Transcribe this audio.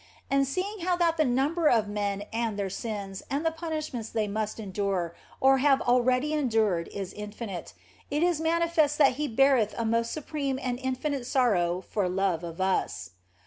And seeing how that the number of men and their sins and the punishments they must endure or have already endured is infinite, it is manifest that He beareth a most supreme and in finite sorrow for love of us.